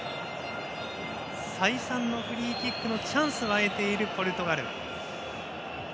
再三のフリーキックのチャンスを得ているポルトガル。